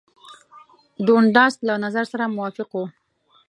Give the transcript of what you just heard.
دونډاس له نظر سره موافق وو.